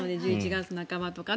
１１月半ばとか。